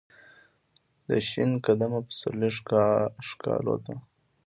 دشین قدمه پسرلی ښکالو ته ،